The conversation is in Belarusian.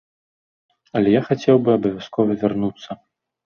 Але я хацеў бы абавязкова вярнуцца.